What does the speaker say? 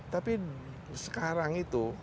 tapi sekarang itu